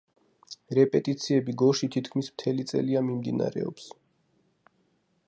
რეპეტიციები გორში თითქმის მთელი წელია მიმდინარეობს.